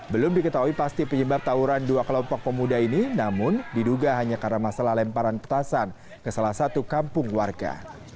belum diketahui pasti penyebab tawuran dua kelompok pemuda ini namun diduga hanya karena masalah lemparan petasan ke salah satu kampung warga